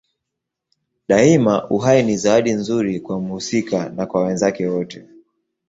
Daima uhai ni zawadi nzuri kwa mhusika na kwa wenzake wote.